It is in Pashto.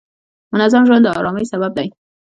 منظم ژوند د آرامۍ سبب دی.